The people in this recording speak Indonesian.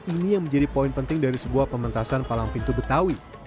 ini yang menjadi poin penting dari sebuah pementasan palang pintu betawi